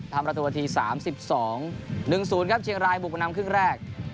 ทำประตูนาที๓๒๑๐ครับเชียงรายบุกมานำครึ่งแรก